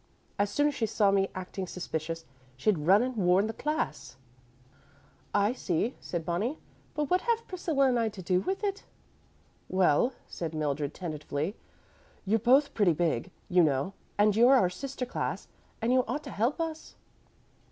As soon as she saw me acting suspicious, she'd run and warn the class." "I see," said Bonnie; "but what have Priscilla and I to do with it?" "Well," said Mildred, tentatively, "you're both pretty big, you know, and you're our sister class, and you ought to help us."